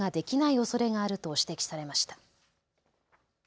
おそれがあると指摘されました。